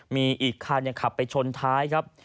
มีอีกคันยังขับไปชนท้ายครับ